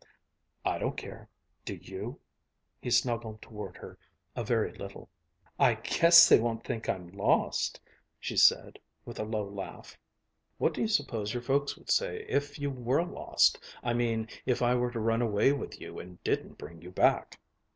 "I don't care. Do you?" He snuggled toward her a very little. "I guess they won't think I'm lost," she said, with a low laugh. "What d'you suppose your folks would say if you were lost? I mean if I were to run away with you and didn't bring you back?"